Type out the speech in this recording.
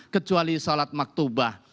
kecuali salat maktubah